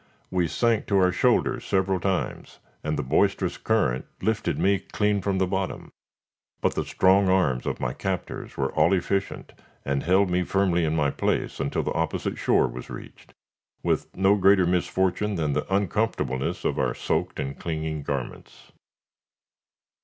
We sank to our shoulders several times, and the boisterous current lifted me clean from the bottom, but the strong arms of my captors were all efficient, and held me firmly in my place until the opposite shore was reached, with no greater misfortune than the uncomfortableness of our soaked and clinging garments.